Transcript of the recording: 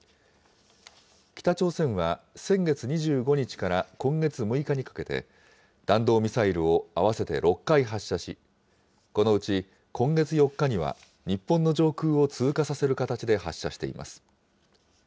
北朝鮮は先月２５日から今月６日にかけて、弾道ミサイルを合わせて６回発射し、このうち今月４日には、日本の上空を通過させる形で発射しています。